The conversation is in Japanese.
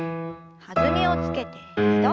弾みをつけて２度。